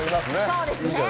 そうですね。